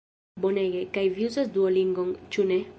Bonege, kaj vi uzas Duolingon ĉu ne?